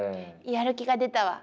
やる気が出たわ。